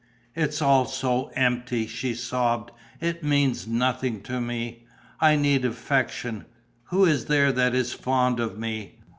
"It's all so empty!" she sobbed. "It means nothing to me. I need affection. Who is there that is fond of me?